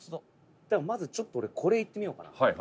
「だからまずちょっと俺これいってみようかな」